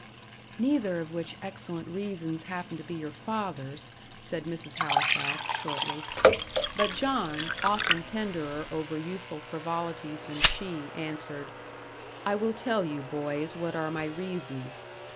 "Neither of which excellent reasons happen to be your father's," said Mrs. Halifax, shortly. But John, often tenderer over youthful frivolities than she, answered: "I will tell you, boys, what are my reasons.